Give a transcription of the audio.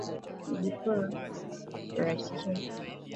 Ili kurahisisha upishi ongeza supu